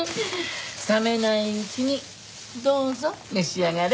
冷めないうちにどうぞ召し上がれ。